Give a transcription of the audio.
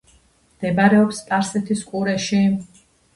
მდებარეობს სპარსეთის ყურეში.